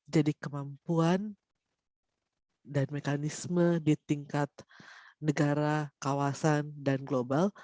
jadi kemampuan dan mekanisme di tingkat negara kawasan dan global